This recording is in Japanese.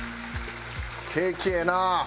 景気ええな！